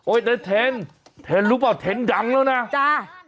โอ๊ยแต่เทนเทนรู้ป่ะเทนดังแล้วนะจ้ะ